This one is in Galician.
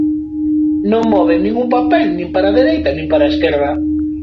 Non moven nin un papel, nin para a dereita nin para a esquerda.